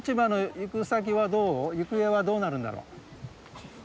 行方はどうなるんだろう？